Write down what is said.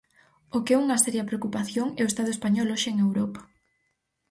O que é unha seria preocupación é o Estado español hoxe en Europa.